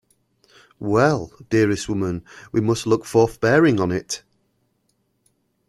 Well, dearest woman, we must look forbearingly on it.